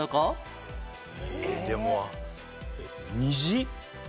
ええでも虹？